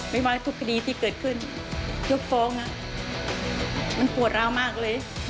ไม่ว่าทุกคดีที่เกิดขึ้นยกฟ้องนะมันโหดราวมากเลย